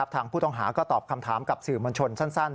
ทางผู้ต้องหาก็ตอบคำถามกับสื่อมวลชนสั้น